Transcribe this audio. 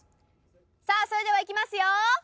さぁそれではいきますよ！